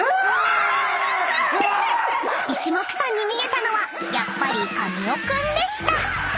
［一目散に逃げたのはやっぱり神尾君でした］